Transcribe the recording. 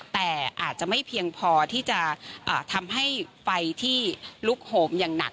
แต่อาจจะไม่เพียงพอที่จะทำให้ไฟที่ลุกโหมอย่างหนัก